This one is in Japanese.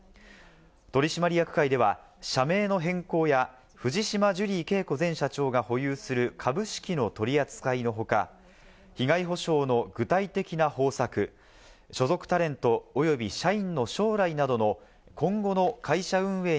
取締役会では、社名の変更や、藤島ジュリー景子前社長が保有する株式の取り扱いの他、被害補償の具体的な方策、各地で相次ぐ線状降水帯による大雨。